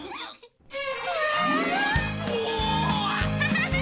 ハハハ！